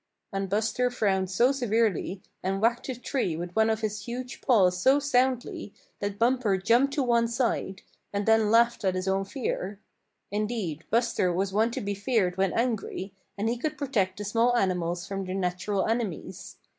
And Buster frowned so severely, and whacked a tree with one of his huge paws so soundly, that Bumper jumped to one side, and then laughed at his own fear. Indeed, Buster was one to be feared when angry, and he could protect the small animals from their natural enemies.